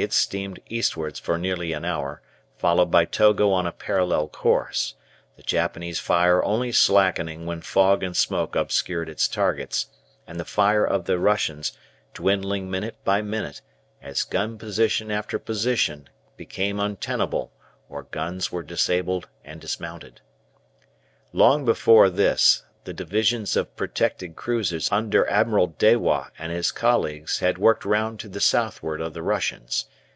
It steamed eastwards for nearly an hour, followed by Togo on a parallel course, the Japanese fire only slackening when fog and smoke obscured its targets, and the fire of the Russians dwindling minute by minute, as gun position after position became untenable or guns were disabled and dismounted. Long before this the divisions of protected cruisers under Admiral Dewa and his colleagues had worked round to the southward of the Russians.